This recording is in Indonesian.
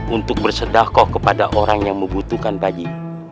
untuk bersedakoh kepada orang yang membutuhkan pak haji